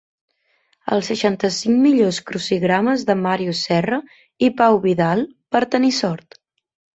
Els seixanta-cinc millors crucigrames de Màrius Serra i Pau Vidal per tenir sort.